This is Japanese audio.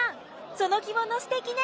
その着物すてきね！